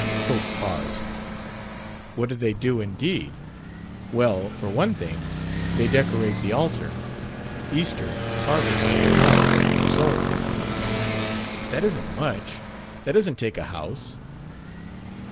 Cope paused. "What do they do, indeed? Well, for one thing, they decorate the altar Easter, Harvest home, and so on." "That isn't much. That doesn't take a house."